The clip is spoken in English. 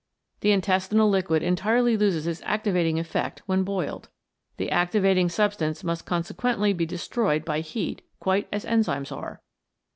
The intestinal liquid entirely loses its activating effect when boiled. The activating substance must consequently be destroyed by heat quite as enzymes are.